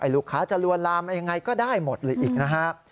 ลูกค้าจะลวนลามยังไงก็ได้หมดเลยอีกนะฮะ